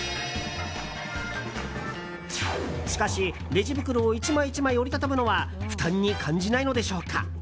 しかし、レジ袋を１枚１枚折り畳むのは負担に感じないのでしょうか。